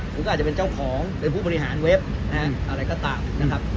คุณก็อาจจะเป็นเจ้าของเป็นผู้บริหารเว็บอะไรก็ตามนะครับ